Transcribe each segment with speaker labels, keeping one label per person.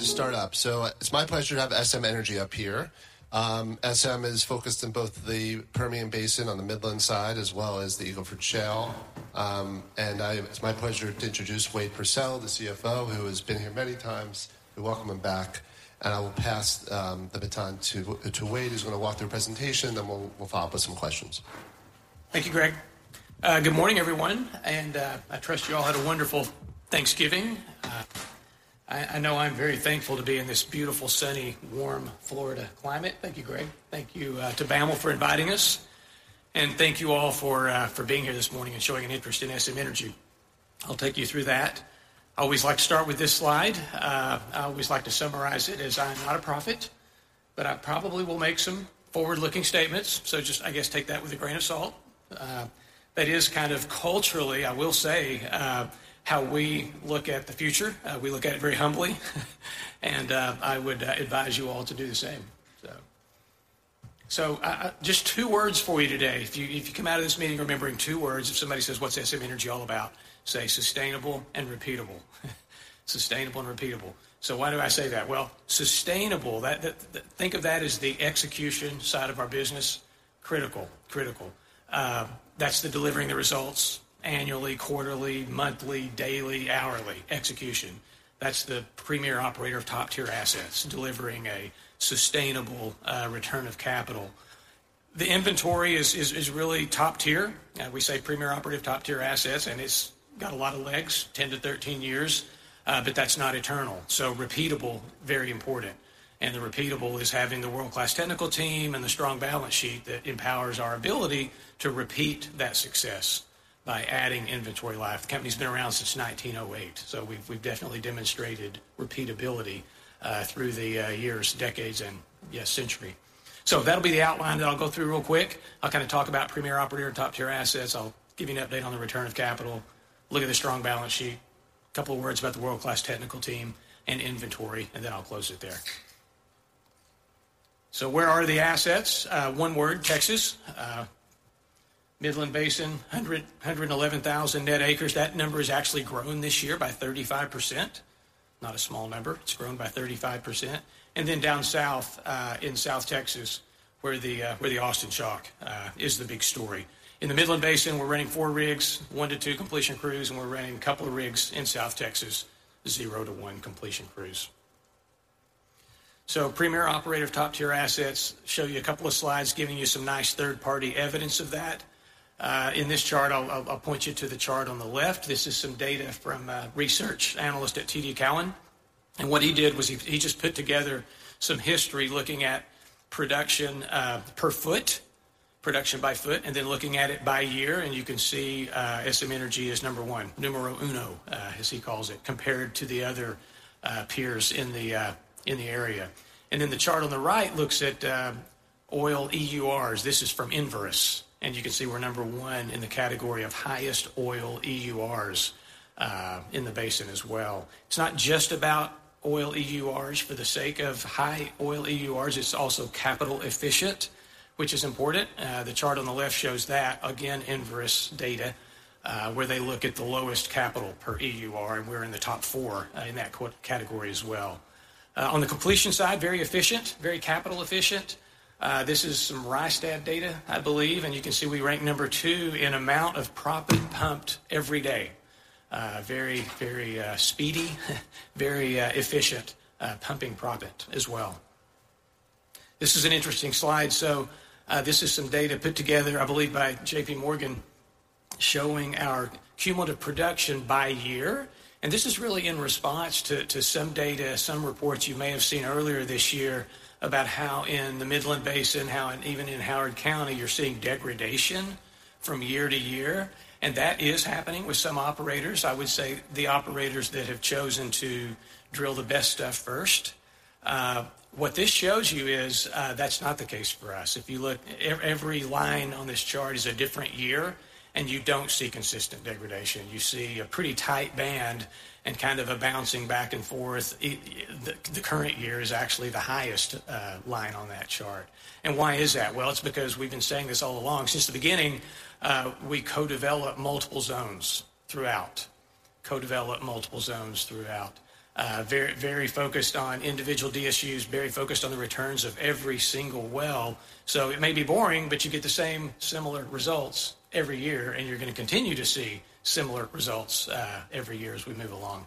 Speaker 1: Just start up. So it's my pleasure to have SM Energy up here. SM is focused in both the Permian Basin on the Midland Side, as well as the Eagle Ford Shale. It's my pleasure to introduce Wade Pursell, the CFO, who has been here many times. We welcome him back, and I will pass the baton to Wade, who's gonna walk through a presentation, then we'll follow up with some questions.
Speaker 2: Thank you, Gregg. Good morning, everyone, and I trust you all had a wonderful Thanksgiving. I know I'm very thankful to be in this beautiful, sunny, warm Florida climate. Thank you, Gregg. Thank you to BAML for inviting us. And thank you all for being here this morning and showing an interest in SM Energy. I'll take you through that. I always like to start with this slide. I always like to summarize it as I'm not a prophet, but I probably will make some forward-looking statements, so just, I guess, take that with a grain of salt. That is kind of culturally, I will say, how we look at the future. We look at it very humbly, and I would advise you all to do the same. So just two words for you today. If you come out of this meeting remembering two words, if somebody says, "What's SM Energy all about?" Say sustainable and repeatable. Sustainable and repeatable. So why do I say that? Well, sustainable. Think of that as the execution side of our business. Critical, critical. That's the delivering the results annually, quarterly, monthly, daily, hourly. Execution. That's the premier operator of top-tier assets, delivering a sustainable return of capital. The inventory is really top tier, and we say premier operator top-tier assets, and it's got a lot of legs, 10-13 years, but that's not eternal. So repeatable, very important. And the repeatable is having the world-class technical team and the strong balance sheet that empowers our ability to repeat that success by adding inventory life. The company's been around since 1908, so we've definitely demonstrated repeatability through the years, decades, and, yes, century. So that'll be the outline that I'll go through real quick. I'll kinda talk about premier operator and top-tier assets. I'll give you an update on the return of capital, look at the strong balance sheet, a couple of words about the world-class technical team and inventory, and then I'll close it there. So where are the assets? One word, Texas. Midland Basin, 111,000 net acres. That number has actually grown this year by 35%. Not a small number. It's grown by 35%. And then down south in South Texas, where the Austin Chalk is the big story. In the Midland Basin, we're running four rigs, one to two completion crews, and we're running a couple of rigs in South Texas, zero to one completion crews. So premier operator of top-tier assets. Show you a couple of slides, giving you some nice third-party evidence of that. In this chart, I'll point you to the chart on the left. This is some data from a research analyst at TD Cowen, and what he did was he just put together some history looking at production per foot, production by foot, and then looking at it by year. And you can see, SM Energy is number one, numero uno, as he calls it, compared to the other peers in the area. And then the chart on the right looks at oil EURs. This is from Enverus, and you can see we're number one in the category of highest oil EURs in the basin as well. It's not just about oil EURs for the sake of high oil EURs, it's also capital efficient, which is important. The chart on the left shows that, again, Enverus data, where they look at the lowest capital per EUR, and we're in the top four in that category as well. On the completion side, very efficient, very capital efficient. This is some Rystad data, I believe, and you can see we rank number two in amount of proppant pumped every day. Very, very speedy, very efficient pumping proppant as well. This is an interesting slide. So, this is some data put together, I believe, by J.P. Morgan, showing our cumulative production by year, and this is really in response to some data, some reports you may have seen earlier this year about how in the Midland Basin, how even in Howard County, you're seeing degradation from year to year, and that is happening with some operators. I would say the operators that have chosen to drill the best stuff first. What this shows you is, that's not the case for us. If you look, every line on this chart is a different year, and you don't see consistent degradation. You see a pretty tight band and kind of a bouncing back and forth. The current year is actually the highest line on that chart. And why is that? Well, it's because we've been saying this all along. Since the beginning, we co-develop multiple zones throughout. Very, very focused on individual DSUs, very focused on the returns of every single well. So it may be boring, but you get the same similar results every year, and you're gonna continue to see similar results every year as we move along.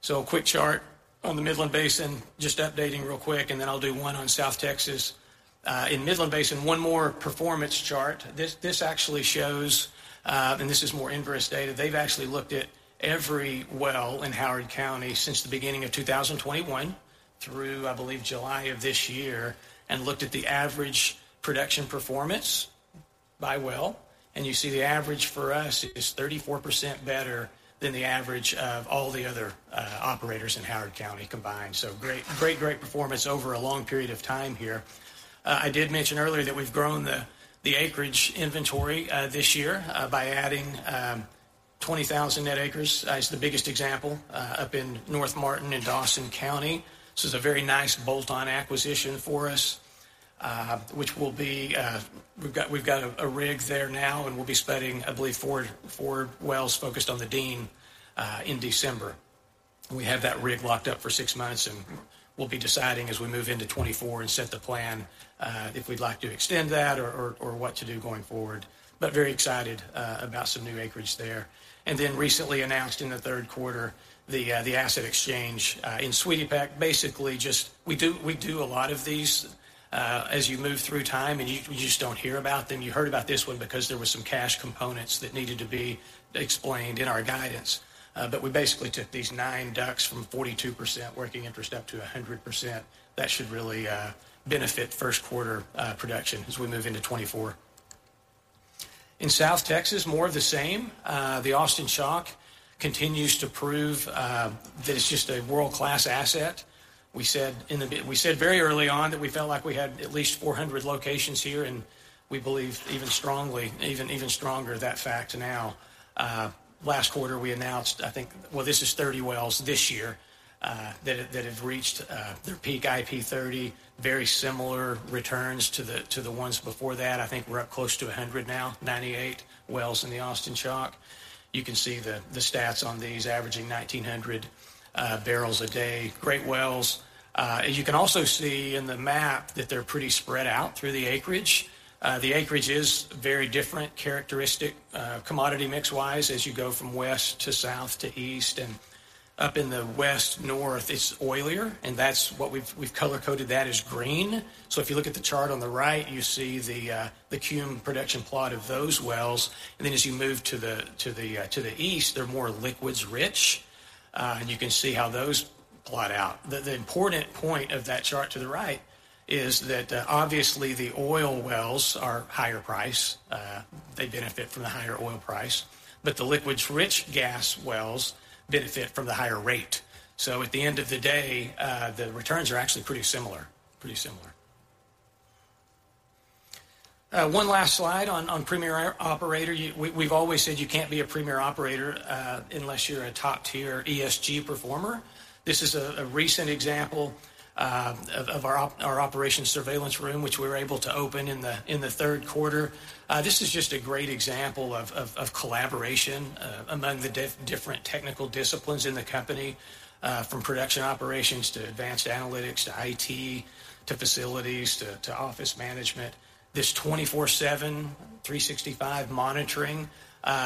Speaker 2: So a quick chart on the Midland Basin, just updating real quick, and then I'll do one on South Texas. In Midland Basin, one more performance chart. This actually shows, and this is more Enverus data. They've actually looked at every well in Howard County since the beginning of 2021 through, I believe, July of this year, and looked at the average production performance by well, and you see the average for us is 34% better than the average of all the other operators in Howard County combined. So great, great, great performance over a long period of time here. I did mention earlier that we've grown the acreage inventory this year by adding 20,000 net acres. It's the biggest example up in North Martin and Dawson County. This is a very nice bolt-on acquisition for us, which will be, we've got a rig there now, and we'll be spending, I believe, four wells focused on the Dean in December. We have that rig locked up for six months, and we'll be deciding as we move into 2024 and set the plan, if we'd like to extend that or what to do going forward. But very excited about some new acreage there. And then recently announced in the third quarter, the asset exchange in Sweetie Peck, basically just, we do a lot of these as you move through time, and you just don't hear about them. You heard about this one because there were some cash components that needed to be explained in our guidance. But we basically took these nine DUCs from 42% working interest up to 100%. That should really benefit first quarter production as we move into 2024. In South Texas, more of the same. The Austin Chalk continues to prove that it's just a world-class asset. We said very early on that we felt like we had at least 400 locations here, and we believe even strongly, even stronger, that fact now. Last quarter, we announced, I think... Well, this is 30 wells this year that have reached their peak IP30. Very similar returns to the ones before that. I think we're up close to 100 now, 98 wells in the Austin Chalk. You can see the stats on these averaging 1,900 barrels a day. Great wells. As you can also see in the map, that they're pretty spread out through the acreage. The acreage is very different, characteristic, commodity mix-wise, as you go from west to south to east, and up in the west-north, it's oilier, and that's what we've color-coded that as green. So if you look at the chart on the right, you see the cum production plot of those wells, and then as you move to the east, they're more liquids rich, and you can see how those plot out. The important point of that chart to the right is that, obviously, the oil wells are higher price. They benefit from the higher oil price, but the liquids-rich gas wells benefit from the higher rate. So at the end of the day, the returns are actually pretty similar, pretty similar. One last slide on premier operator. We've always said you can't be a premier operator unless you're a top-tier ESG performer. This is a recent example of our operations surveillance room, which we were able to open in the third quarter. This is just a great example of collaboration among the different technical disciplines in the company, from production operations to advanced analytics, to IT, to facilities, to office management. This 24/7, 365 monitoring,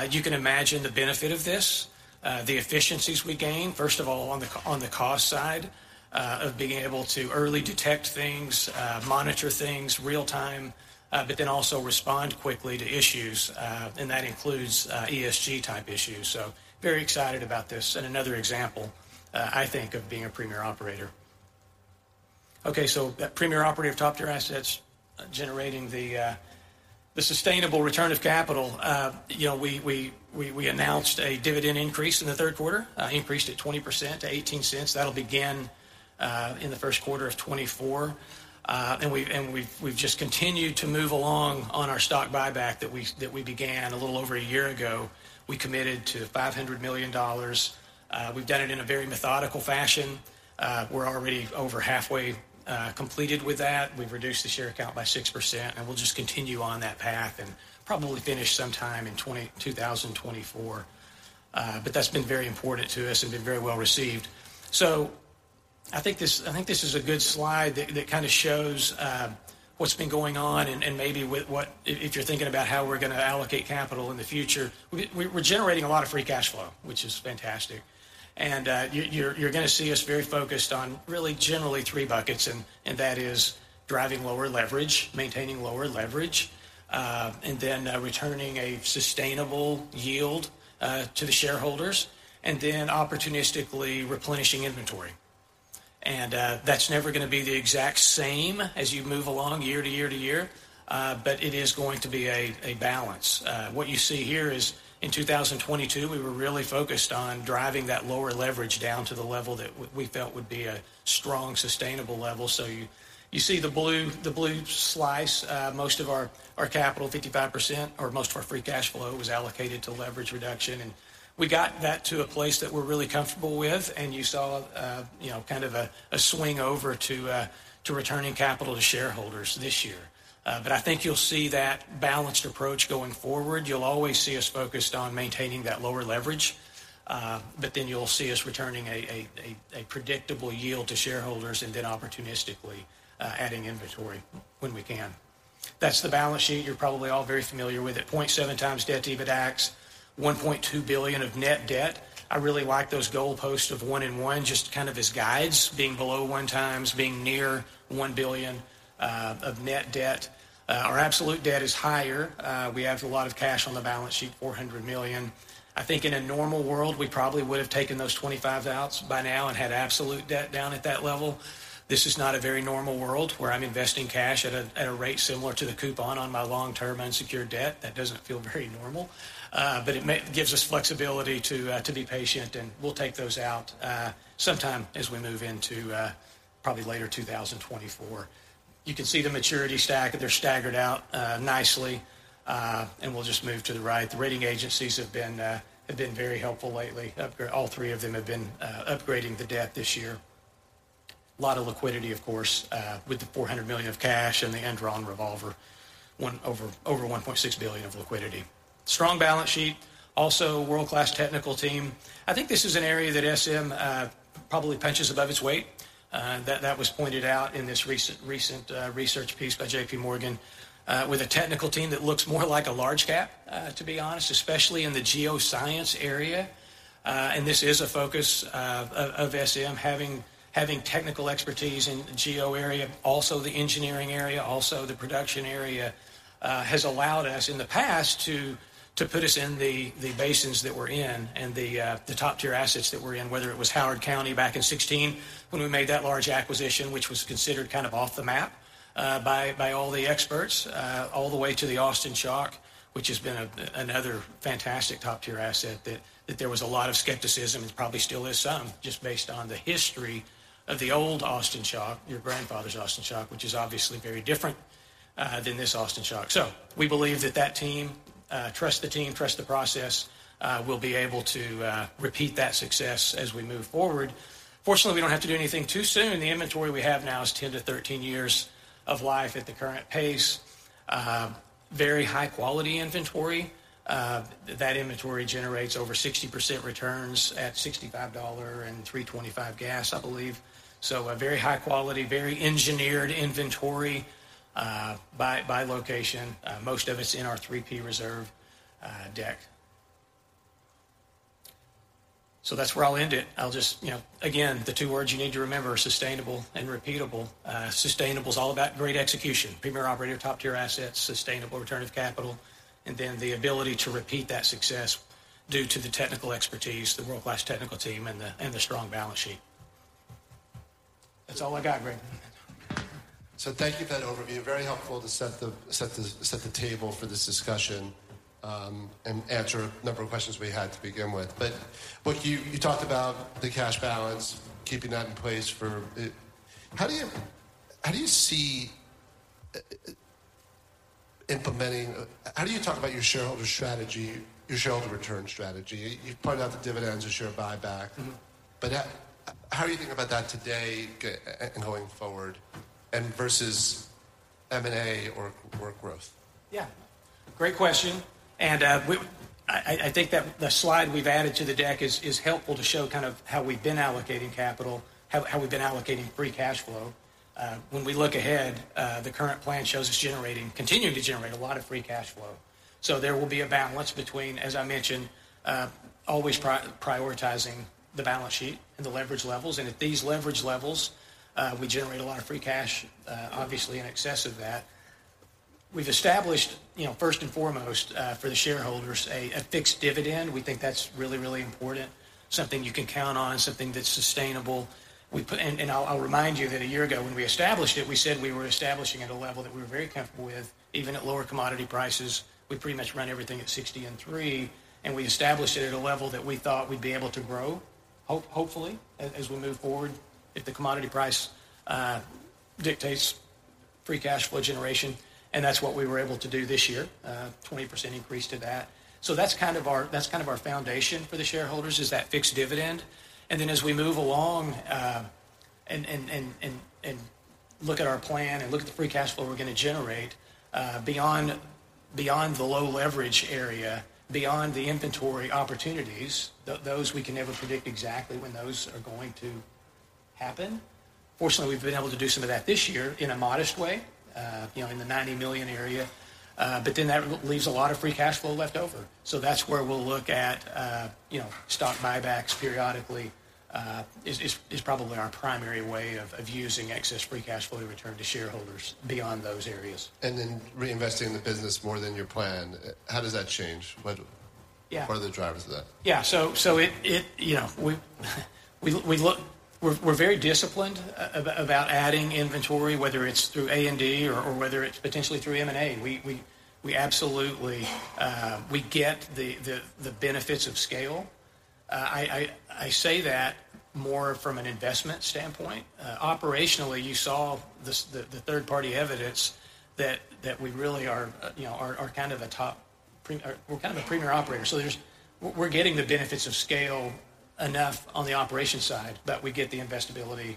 Speaker 2: you can imagine the benefit of this, the efficiencies we gain, first of all, on the cost side, of being able to early detect things, monitor things real-time, but then also respond quickly to issues, and that includes ESG-type issues. So very excited about this. And another example, I think, of being a premier operator. Okay, so that premier operator of top-tier assets, generating the sustainable return of capital. You know, we announced a dividend increase in the third quarter, increased it 20% to $0.18. That'll begin in the first quarter of 2024. And we've just continued to move along on our stock buyback that we began a little over a year ago. We committed to $500 million. We've done it in a very methodical fashion. We're already over halfway completed with that. We've reduced the share count by 6%, and we'll just continue on that path and probably finish sometime in 2024. But that's been very important to us and been very well received. So I think this is a good slide that kinda shows what's been going on and maybe with what... If you're thinking about how we're gonna allocate capital in the future, we, we're generating a lot of free cash flow, which is fantastic. And you're gonna see us very focused on really generally three buckets, and that is driving lower leverage, maintaining lower leverage, and then returning a sustainable yield to the shareholders, and then opportunistically replenishing inventory. And that's never gonna be the exact same as you move along year to year to year, but it is going to be a balance. What you see here is, in 2022, we were really focused on driving that lower leverage down to the level that we felt would be a strong, sustainable level. So you see the blue slice, most of our capital, 55%, or most of our free cash flow, was allocated to leverage reduction, and we got that to a place that we're really comfortable with, and you saw, you know, kind of a swing over to returning capital to shareholders this year. But I think you'll see that balanced approach going forward. You'll always see us focused on maintaining that lower leverage, but then you'll see us returning a predictable yield to shareholders and then opportunistically adding inventory when we can. That's the balance sheet. You're probably all very familiar with it. 0.7x debt to EBITDA, $1.2 billion of net debt. I really like those goalposts of one and one, just kind of as guides, being below one times, being near $1 billion of net debt. Our absolute debt is higher. We have a lot of cash on the balance sheet, $400 million. I think in a normal world, we probably would have taken those 25 outs by now and had absolute debt down at that level. This is not a very normal world, where I'm investing cash at a rate similar to the coupon on my long-term unsecured debt. That doesn't feel very normal, but it gives us flexibility to be patient, and we'll take those out sometime as we move into probably later 2024. You can see the maturity stack, they're staggered out nicely. And we'll just move to the right. The rating agencies have been very helpful lately. All three of them have been upgrading the debt this year. A lot of liquidity, of course, with the $400 million of cash and the undrawn revolver, over $1.6 billion of liquidity. Strong balance sheet, also world-class technical team. I think this is an area that SM probably punches above its weight. That was pointed out in this recent research piece by J.P. Morgan, with a technical team that looks more like a large cap, to be honest, especially in the geoscience area. And this is a focus of SM, having technical expertise in geo area, also the engineering area, also the production area, has allowed us in the past to put us in the basins that we're in and the top-tier assets that we're in. Whether it was Howard County back in 2016, when we made that large acquisition, which was considered kind of off the map by all the experts, all the way to the Austin Chalk, which has been another fantastic top-tier asset, that there was a lot of skepticism, probably still is some, just based on the history of the old Austin Chalk, your grandfather's Austin Chalk, which is obviously very different than this Austin Chalk. So we believe that that team, trust the team, trust the process, will be able to, repeat that success as we move forward. Fortunately, we don't have to do anything too soon. The inventory we have now is 10-13 years of life at the current pace. Very high quality inventory. That inventory generates over 60% returns at $65 and $3.25 gas, I believe. So a very high quality, very engineered inventory, by, by location. Most of it's in our 3P reserve deck. So that's where I'll end it. I'll just, you know... Again, the two words you need to remember are sustainable and repeatable. Sustainable is all about great execution, premier operator, top-tier assets, sustainable return of capital, and then the ability to repeat that success due to the technical expertise, the world-class technical team, and the strong balance sheet. That's all I got, Gregg.
Speaker 1: So thank you for that overview. Very helpful to set the table for this discussion, and answer a number of questions we had to begin with. But you talked about the cash balance, keeping that in place for... How do you see implementing, how do you talk about your shareholder strategy, your shareholder return strategy? You pointed out the dividends and share buyback.
Speaker 2: Mm-hmm.
Speaker 1: But how do you think about that today, and going forward, and versus M&A or, or growth?
Speaker 2: Yeah. Great question, and I think that the slide we've added to the deck is helpful to show kind of how we've been allocating capital, how we've been allocating free cash flow. When we look ahead, the current plan shows us generating, continuing to generate a lot of free cash flow. So there will be a balance between, as I mentioned, always prioritizing the balance sheet and the leverage levels. And at these leverage levels, we generate a lot of free cash, obviously in excess of that. We've established, you know, first and foremost, for the shareholders, a fixed dividend. We think that's really, really important, something you can count on, and something that's sustainable. We put... I'll remind you that a year ago, when we established it, we said we were establishing at a level that we were very comfortable with, even at lower commodity prices. We pretty much run everything at $60 and $3, and we established it at a level that we thought we'd be able to grow, hopefully, as we move forward, if the commodity price dictates free cash flow generation, and that's what we were able to do this year, 20% increase to that. So that's kind of our, that's kind of our foundation for the shareholders, is that fixed dividend. And then as we move along, and look at our plan and look at the free cash flow we're gonna generate, beyond, beyond the low leverage area, beyond the inventory opportunities, those we can never predict exactly when those are going to happen. Fortunately, we've been able to do some of that this year in a modest way, you know, in the $90 million area, but then that leaves a lot of free cash flow left over. So that's where we'll look at, you know, stock buybacks periodically, is probably our primary way of using excess free cash flow to return to shareholders beyond those areas.
Speaker 1: And then reinvesting in the business more than you planned, how does that change? What-
Speaker 2: Yeah.
Speaker 1: What are the drivers of that?
Speaker 2: Yeah. So, you know, we're very disciplined about adding inventory, whether it's through A&D or whether it's potentially through M&A. We absolutely get the benefits of scale. I say that more from an investment standpoint. Operationally, you saw the third-party evidence that we really are, you know, kind of a premier operator. So there's... We're getting the benefits of scale enough on the operation side, but we get the investability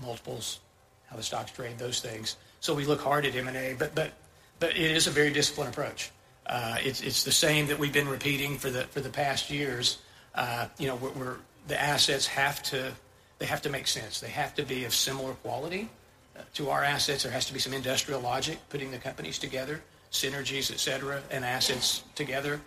Speaker 2: multiples, how the stocks trade, those things. So we look hard at M&A, but it is a very disciplined approach. It's the same that we've been repeating for the past years. You know, the assets have to, they have to make sense. They have to be of similar quality to our assets. There has to be some industrial logic, putting the companies together, synergies, et cetera, and assets together.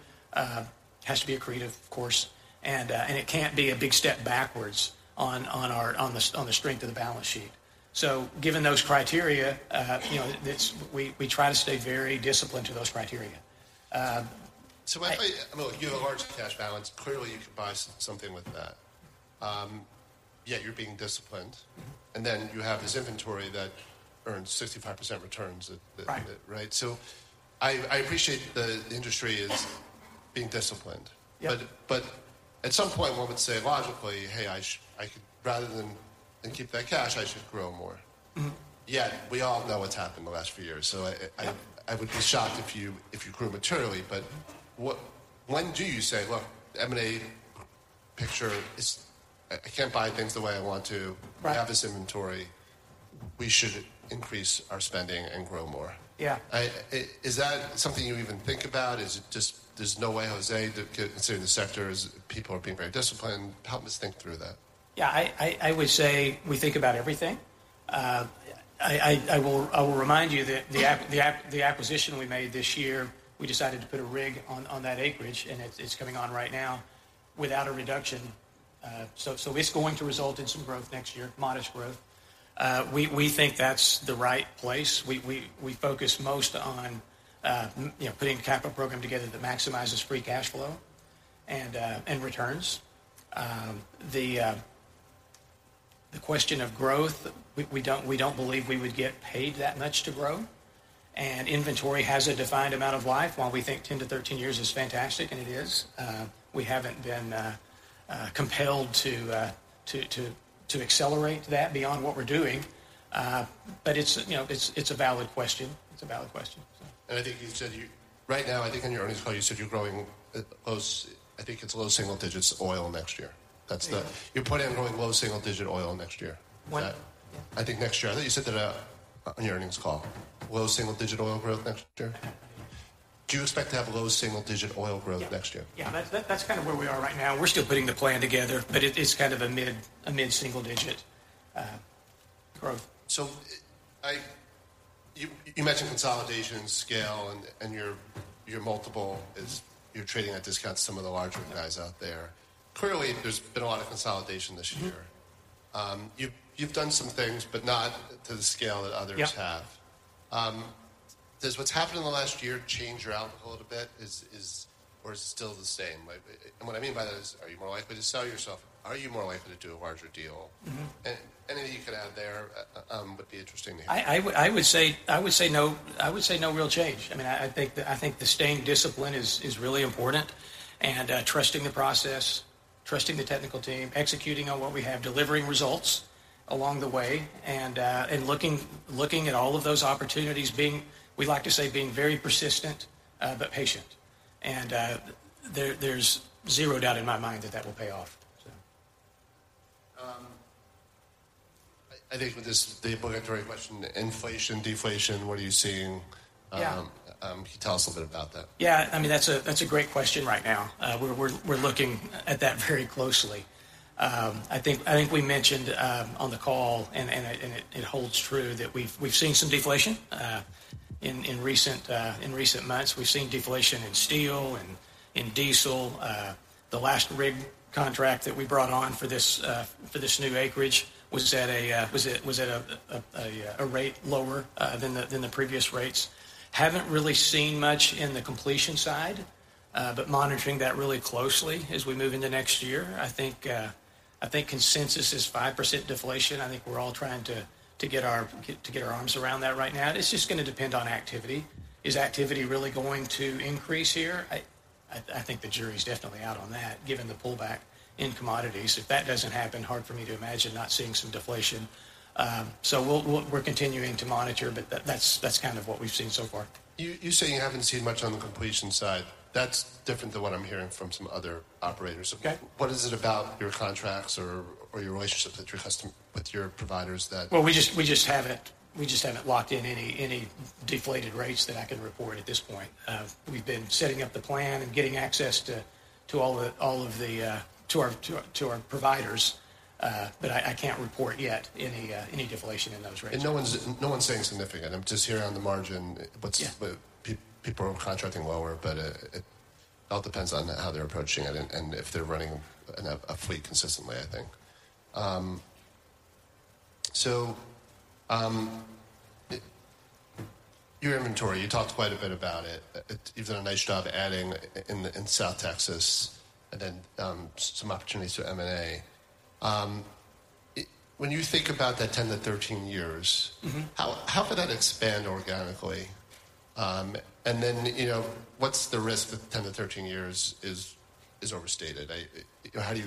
Speaker 2: Has to be accretive, of course, and it can't be a big step backwards on the strength of the balance sheet. So given those criteria, you know, we try to stay very disciplined to those criteria. I-
Speaker 1: Well, you have a large cash balance. Clearly, you could buy something with that. Yet you're being disciplined.
Speaker 2: Mm-hmm.
Speaker 1: And then you have this inventory that earns 65% returns that-
Speaker 2: Right.
Speaker 1: Right? So I appreciate the industry is being disciplined.
Speaker 2: Yeah.
Speaker 1: But at some point, one would say, logically, "Hey, I could, rather than keep that cash, I should grow more.
Speaker 2: Mm-hmm.
Speaker 1: Yet, we all know what's happened in the last few years, so I would be shocked if you grew materially. But what, when do you say, look, the M&A picture is, I can't buy things the way I want to?
Speaker 2: Right.
Speaker 1: I have this inventory. We should increase our spending and grow more.
Speaker 2: Yeah.
Speaker 1: Is that something you even think about? Is it just there's no way, who say, to consider the sectors, people are being very disciplined. Help me think through that.
Speaker 2: Yeah, I would say we think about everything. I will remind you that the acquisition we made this year, we decided to put a rig on that acreage, and it's coming on right now without a reduction. So it's going to result in some growth next year, modest growth. We think that's the right place. We focus most on, you know, putting a capital program together that maximizes free cash flow and returns. The question of growth, we don't believe we would get paid that much to grow, and inventory has a defined amount of life. While we think 10-13 years is fantastic, and it is, we haven't been compelled to accelerate that beyond what we're doing. But it's, you know, it's a valid question. It's a valid question, so.
Speaker 1: I think you said right now, I think on your earnings call, you said you're growing... I think it's low single digits oil next year. That's the-
Speaker 2: Yeah.
Speaker 1: You're planning on growing low single-digit oil next year.
Speaker 2: When?
Speaker 1: I think next year. I think you said that on your earnings call. Low single-digit oil growth next year. Do you expect to have low single-digit oil growth next year?
Speaker 2: Yeah, that's, that's kind of where we are right now. We're still putting the plan together, but it is kind of a mid, a mid-single digit growth.
Speaker 1: You mentioned consolidation, scale, and your multiple is you're trading at discount to some of the larger guys out there. Clearly, there's been a lot of consolidation this year.
Speaker 2: Mm-hmm.
Speaker 1: You've done some things, but not to the scale that others have.
Speaker 2: Yeah.
Speaker 1: Does what's happened in the last year change your outlook a little bit? Is or is it still the same? And what I mean by that is, are you more likely to sell yourself? Are you more likely to do a larger deal?
Speaker 2: Mm-hmm.
Speaker 1: Anything you could add there would be interesting to me.
Speaker 2: I would say no. I would say no real change. I mean, I think the staying discipline is really important, and trusting the process, trusting the technical team, executing on what we have, delivering results along the way, and looking at all of those opportunities, being, we like to say, being very persistent, but patient. And there, there's zero doubt in my mind that that will pay off, so.
Speaker 1: I think with this, the obligatory question, inflation, deflation, what are you seeing?
Speaker 2: Yeah.
Speaker 1: Could you tell us a little bit about that?
Speaker 2: Yeah, I mean, that's a great question right now. We're looking at that very closely. I think we mentioned on the call, and it holds true, that we've seen some deflation in recent months. We've seen deflation in steel and in diesel. The last rig contract that we brought on for this new acreage was at a rate lower than the previous rates. Haven't really seen much in the completion side, but monitoring that really closely as we move into next year. I think consensus is 5% deflation. I think we're all trying to get our arms around that right now. It's just gonna depend on activity. Is activity really going to increase here? I think the jury is definitely out on that, given the pullback in commodities. If that doesn't happen, hard for me to imagine not seeing some deflation. So we're continuing to monitor, but that's kind of what we've seen so far.
Speaker 1: You say you haven't seen much on the completion side. That's different than what I'm hearing from some other operators.
Speaker 2: Okay.
Speaker 1: What is it about your contracts or your relationship with your providers that-
Speaker 2: Well, we just haven't locked in any deflated rates that I can report at this point. We've been setting up the plan and getting access to all of our providers, but I can't report yet any deflation in those rates.
Speaker 1: No one's saying significant. I'm just hearing on the margin, but-
Speaker 2: Yeah...
Speaker 1: people are contracting lower, but it all depends on how they're approaching it and if they're running a fleet consistently, I think. So, your inventory, you talked quite a bit about it. You've done a nice job adding in South Texas and then some opportunities to M&A. It—when you think about that 10-13 years-
Speaker 2: Mm-hmm.
Speaker 1: How could that expand organically? And then, you know, what's the risk that 10-13 years is overstated? How do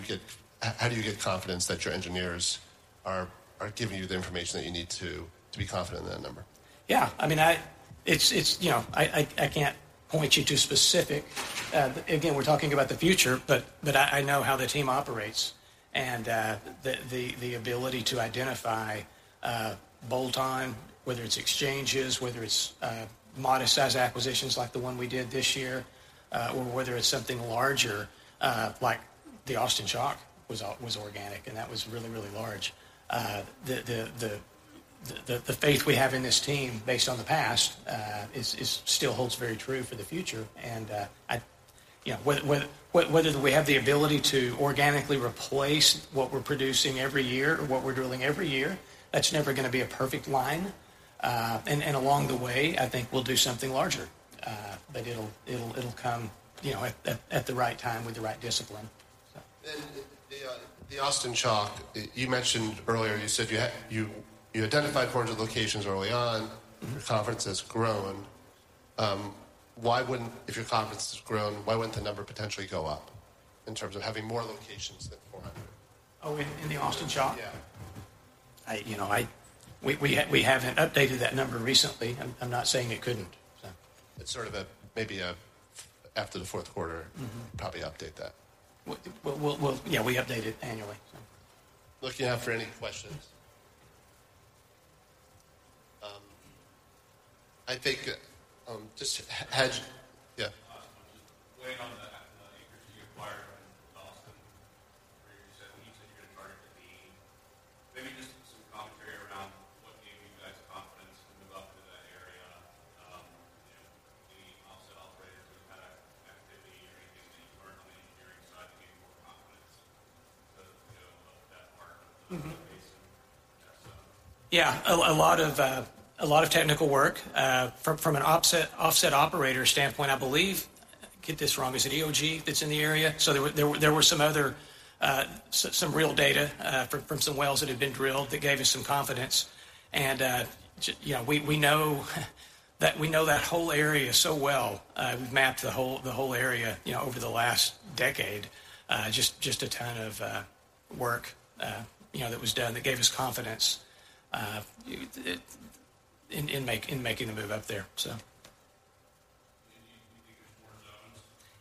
Speaker 1: you get confidence that your engineers are giving you the information that you need to be confident in that number?
Speaker 2: Yeah, I mean, it's, you know, I can't point you to specific... Again, we're talking about the future, but I know how the team operates, and the ability to identify bolt-on, whether it's exchanges, whether it's modest-sized acquisitions like the one we did this year, or whether it's something larger, like the Austin Chalk was organic, and that was really, really large. The faith we have in this team, based on the past, is still holds very true for the future. And I, you know, whether we have the ability to organically replace what we're producing every year or what we're drilling every year, that's never gonna be a perfect line. And along the way, I think we'll do something larger, but it'll come, you know, at the right time with the right discipline....
Speaker 1: The Austin Chalk, you mentioned earlier, you said you had identified 400 locations early on.
Speaker 2: Mm-hmm.
Speaker 1: The conference has grown. Why wouldn't, if your conference has grown, why wouldn't the number potentially go up in terms of having more locations than 400?
Speaker 2: Oh, in the Austin Chalk?
Speaker 1: Yeah.
Speaker 2: I, you know, we haven't updated that number recently. I'm not saying it couldn't.
Speaker 1: It's sort of a, maybe a, after the fourth quarter-
Speaker 2: Mm-hmm.
Speaker 1: Probably update that.
Speaker 2: Yeah, we update it annually.
Speaker 1: Looking out for any questions. I think, just hedge... Yeah.
Speaker 3: Just playing on to that, the acres you acquired in Austin, where you said, you said you're gonna target the Dean. Maybe just some commentary around what gave you guys confidence to move up to that area. You know, any offset operators who've had activity or anything that you learned on the engineering side to gain more confidence to, you know, move that part of the base?
Speaker 2: Mm-hmm.
Speaker 3: Yeah, so.
Speaker 2: Yeah, a lot of technical work. From an offset operator standpoint, I believe, get this wrong, is it EOG that's in the area? So there were some other real data from some wells that had been drilled that gave us some confidence. And you know, we know that whole area so well. We've mapped the whole area, you know, over the last decade. Just a ton of work, you know, that was done that gave us confidence in making the move up there, so.
Speaker 3: Do you think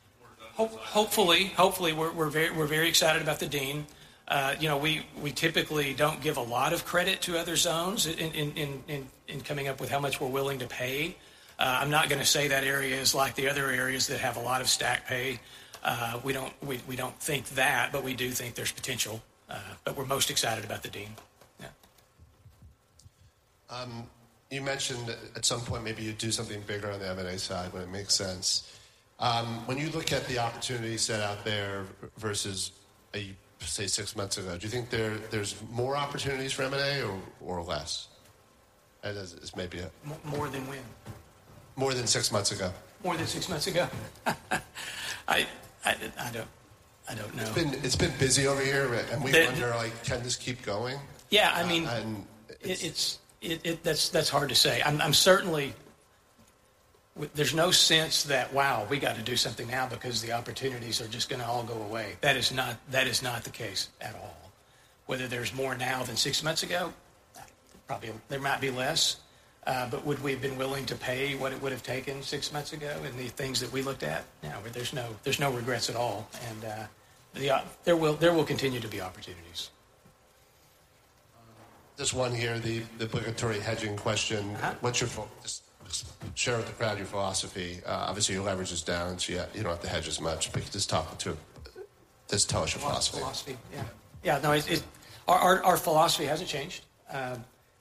Speaker 3: there's more zones, more zones?
Speaker 2: Hopefully. Hopefully, we're very excited about the Dean. You know, we typically don't give a lot of credit to other zones in coming up with how much we're willing to pay. I'm not gonna say that area is like the other areas that have a lot of stack pay. We don't think that, but we do think there's potential, but we're most excited about the Dean. Yeah.
Speaker 1: You mentioned at some point, maybe you'd do something bigger on the M&A side, when it makes sense. When you look at the opportunity set out there versus, say, six months ago, do you think there's more opportunities for M&A or less? As maybe a-
Speaker 2: More than when?
Speaker 1: More than six months ago.
Speaker 2: More than six months ago? I don't know.
Speaker 1: It's been busy over here, and we wonder, like-
Speaker 2: Then-
Speaker 1: Can this keep going?
Speaker 2: Yeah, I mean-
Speaker 1: Um, and-
Speaker 2: It's... That's hard to say. I'm certainly... there's no sense that, "Wow, we got to do something now because the opportunities are just gonna all go away." That is not, that is not the case at all. Whether there's more now than six months ago? Probably, there might be less, but would we have been willing to pay what it would have taken six months ago in the things that we looked at? Yeah, there's no, there's no regrets at all, and there will, there will continue to be opportunities.
Speaker 1: There's one here, the purgatory hedging question.
Speaker 2: Uh-huh.
Speaker 1: What's your focus? Share with the crowd, your philosophy. Obviously, your leverage is down, so you don't have to hedge as much, but just talk to... Just tell us your philosophy.
Speaker 2: Philosophy, yeah. Yeah, no, our philosophy hasn't changed.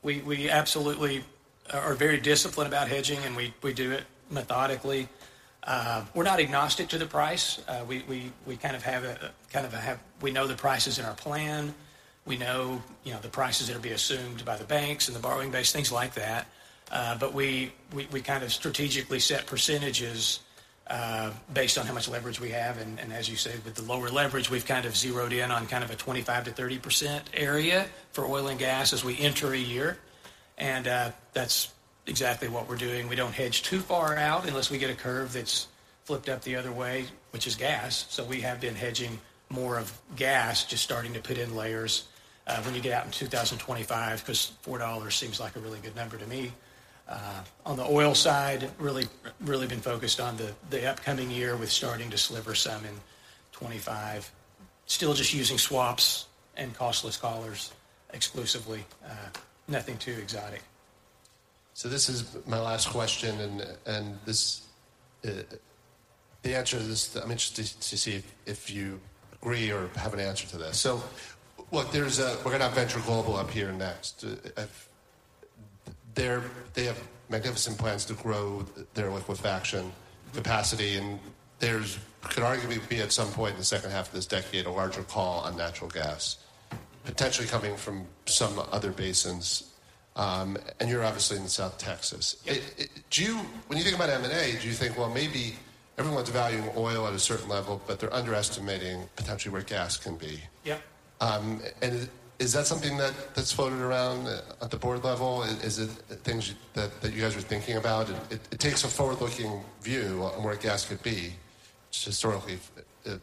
Speaker 2: We absolutely are very disciplined about hedging, and we do it methodically. We're not agnostic to the price. We kind of have a. We know the prices in our plan. We know, you know, the prices that'll be assumed by the banks and the borrowing base, things like that. But we kind of strategically set percentages based on how much leverage we have, and as you say, with the lower leverage, we've kind of zeroed in on kind of a 25%-30% area for oil and gas as we enter a year, and that's exactly what we're doing. We don't hedge too far out unless we get a curve that's flipped up the other way, which is gas. So we have been hedging more of gas, just starting to put in layers, when you get out in 2025, 'cause $4 seems like a really good number to me. On the oil side, really, really been focused on the upcoming year with starting to sliver some in 2025. Still just using swaps and costless collars exclusively, nothing too exotic.
Speaker 1: So this is my last question, and this. The answer to this, I'm interested to see if you agree or have an answer to this. So look, there's a—we're gonna have Venture Global up here next. They have magnificent plans to grow their liquefaction capacity, and there could arguably be at some point in the second half of this decade, a larger call on natural gas, potentially coming from some other basins, and you're obviously in South Texas.
Speaker 2: Yeah.
Speaker 1: Do you, when you think about M&A, do you think, well, maybe everyone's valuing oil at a certain level, but they're underestimating potentially where gas can be?
Speaker 2: Yeah.
Speaker 1: And is that something that's floated around at the board level? Is it things that you guys are thinking about? It takes a forward-looking view on where gas could be, which historically,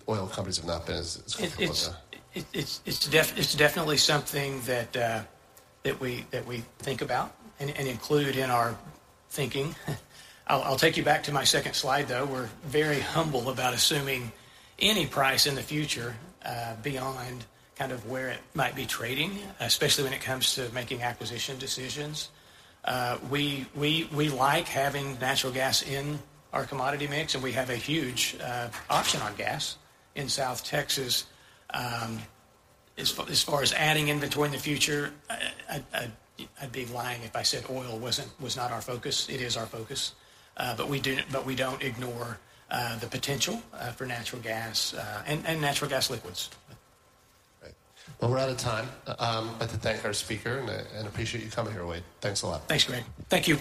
Speaker 1: oil companies have not been as comfortable with that.
Speaker 2: It's definitely something that we think about and include in our thinking. I'll take you back to my second slide, though. We're very humble about assuming any price in the future beyond kind of where it might be trading, especially when it comes to making acquisition decisions. We like having natural gas in our commodity mix, and we have a huge option on gas in South Texas. As far as adding inventory in the future, I'd be lying if I said oil was not our focus. It is our focus, but we don't ignore the potential for natural gas and natural gas liquids.
Speaker 1: Great. Well, we're out of time. I'd like to thank our speaker and, and appreciate you coming here, Wade. Thanks a lot.
Speaker 2: Thanks, Gregg. Thank you.